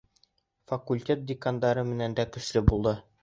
Факультет декандары менән дә көслө булды.